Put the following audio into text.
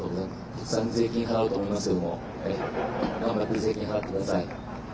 たくさん税金を払うと思いますが頑張って払ってください。